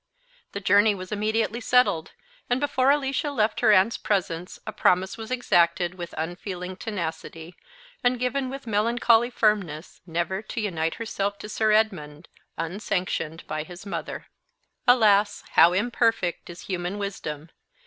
The journey was immediately settled; and before Alicia left her aunt's presence a promise was exacted with unfeeling tenacity, and given with melancholy firmness, never to unite herself to Sir Edmund unsanctioned by his mother. Alas! how imperfect is human wisdom!